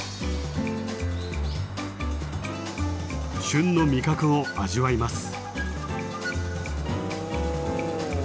旬の味覚を味わいます。